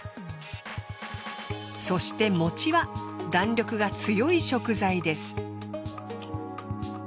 そしてもちは弾力が強い食材です。